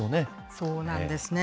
そうなんですね。